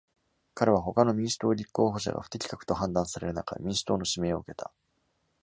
彼は他の民主党立候補者が不適格と判断される中、民主党の指名を受けた。